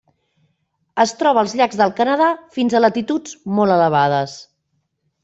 Es troba als llacs del Canadà fins a latituds molt elevades.